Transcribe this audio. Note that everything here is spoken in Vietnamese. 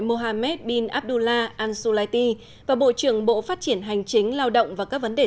mohammed bin abdullah al sulayti và bộ trưởng bộ phát triển hành chính lao động và các vấn đề